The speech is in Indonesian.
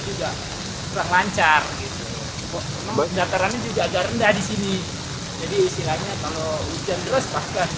juga terlancar datarannya juga agar rendah di sini jadi isinya kalau hujan terus pasca